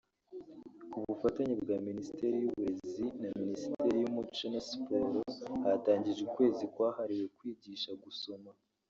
Ku bufatanye bwa Minisiteri y’Uburezi na Minisiteri y’Umuco na Siporo hatangijwe Ukwezi kwahariwe kwigisha gusoma